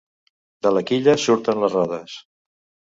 De la quilla surten les rodes.